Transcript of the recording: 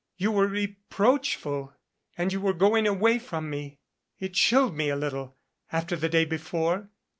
You were reproachful and you were going away from me. It chilled me a little after the day before.